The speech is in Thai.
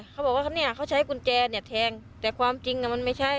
เขาบอกว่าเนี่ยเขาใช้กุญแจเนี่ยแทงแต่ความจริงน่ะมันไม่ใช่